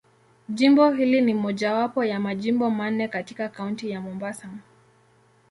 Jimbo hili ni mojawapo ya Majimbo manne katika Kaunti ya Mombasa.